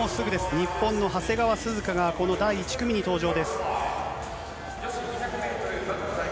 日本の長谷川涼香がこの第１組に登場です。